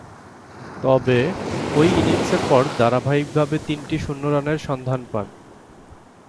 তবে, ঐ ইনিংসের পর ধারাবাহিকভাবে তিনটি শূন্য রানের সন্ধান পান।